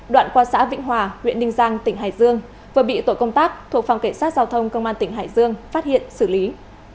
đoạn qua xã vĩnh hòa huyện ninh giang tỉnh hải dương vừa bị tổ công tác thuộc phòng cảnh sát giao thông công an tỉnh hải dương phát hiện xử lý